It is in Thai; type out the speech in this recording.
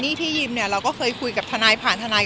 อย่างที่ผ่านมาเราก็มั่นใจในหลักฐานทุกอย่างที่เรามี